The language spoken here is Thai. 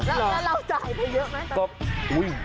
แล้วเราจ่ายไปเยอะไหม